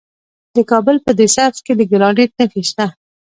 د کابل په ده سبز کې د ګرانیټ نښې شته.